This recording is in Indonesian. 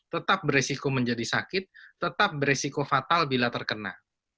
tetap beresiko menjadi sakit tetap beresiko fatal bila terkena